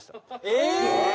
え！？